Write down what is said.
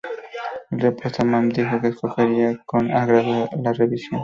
En respuesta, Mann dijo que acogería con agrado la revisión.